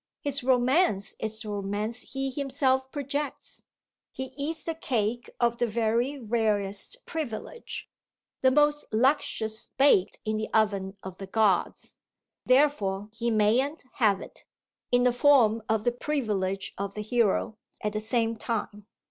His romance is the romance he himself projects; he eats the cake of the very rarest privilege, the most luscious baked in the oven of the gods therefore he mayn't "have" it, in the form of the privilege of the hero, at the same time.